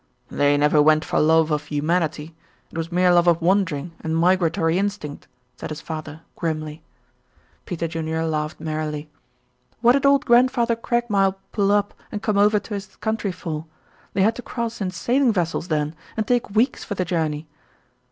"They never went for love of humanity. It was mere love of wandering and migratory instinct," said his father, grimly. Peter Junior laughed merrily. "What did old grandfather Craigmile pull up and come over to this country for? They had to cross in sailing vessels then and take weeks for the journey."